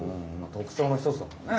特徴のひとつだもんね。